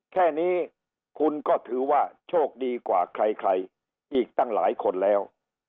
แค่นี้คุณก็ถือว่าโชคดีกว่าใครอีกตั้งหลายคนแล้ว